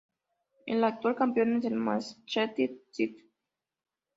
El actual campeón es el Manchester City.